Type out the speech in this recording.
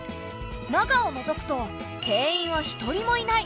中をのぞくと店員は一人もいない。